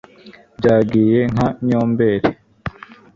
byagiye nka nyombeli